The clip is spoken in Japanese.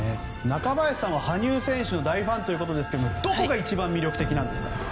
中林さんは羽生選手の大ファンということですがどこが一番魅力的なんですか？